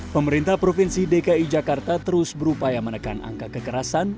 pemerintah provinsi dki jakarta terus berupaya menekan angka kekerasan